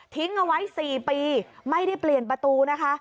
เอาไว้๔ปีไม่ได้เปลี่ยนประตูนะคะ